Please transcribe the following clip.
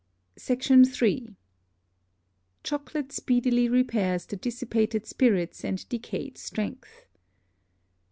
SECT. III. Chocolate speedily repairs the dissipated Spirits and decay'd Strength.